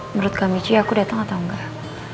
menurut kak michi aku datang atau enggak